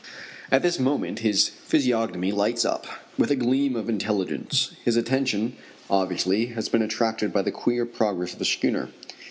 At this moment his physiognomy lights up with a gleam of intelligence. His attention, obviously, has been attracted by the queer progress of the schooner.